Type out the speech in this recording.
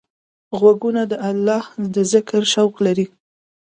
غوږونه د الله د ذکر شوق لري